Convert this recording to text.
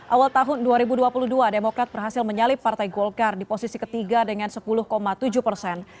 awal tahun dua ribu dua puluh dua demokrat berhasil menyalip partai golkar di posisi ketiga dengan sepuluh tujuh persen